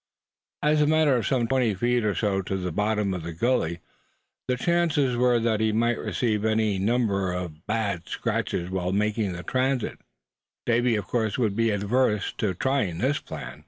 As it was a matter of some twenty feet or so to the bottom of the gully; and the chances were that he might receive any number of bad scratches while making the transit, Davy of course would be averse to trying this plan.